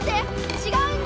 違うんだ！